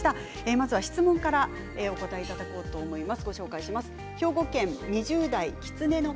まずは質問からお答えいただこうと思います。